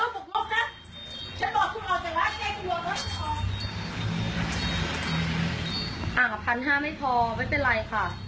๑๕๐๐ไม่พอไม่เป็นไรค่ะ